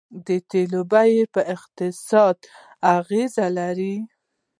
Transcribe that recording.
د تیلو بیه په اقتصاد اغیز لري.